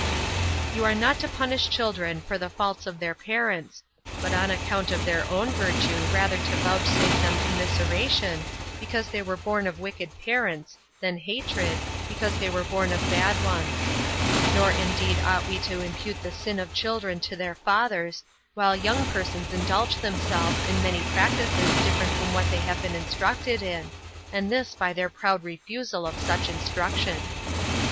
You are not to punish children for the faults of their parents, but on account of their own virtue rather to vouchsafe them commiseration, because they were born of wicked parents, than hatred, because they were born of bad ones. Nor indeed ought we to impute the sin of children to their fathers, while young persons indulge themselves in many practices different from what they have been instructed in, and this by their proud refusal of such instruction.